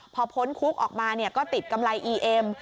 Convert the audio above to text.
พอพ้นคุกออกมาก็ติดกำไรอีเอ็ม